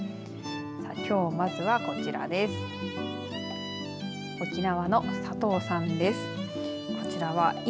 きょう、まずはこちらです。